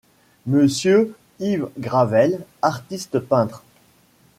Monsieur Yves Gravel, artiste peintre.